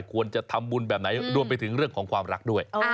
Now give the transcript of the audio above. ควรจะทำบุญแบบไหนรวมไปถึงเรื่องของความรักด้วย